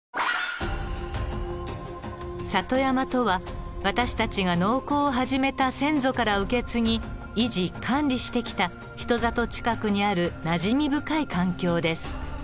里山とは私たちが農耕を始めた先祖から受け継ぎ維持管理してきた人里近くにあるなじみ深い環境です。